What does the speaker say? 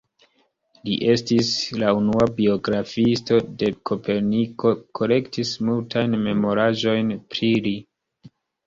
Li estis la unua biografiisto de Koperniko, kolektis multajn memoraĵojn pri li.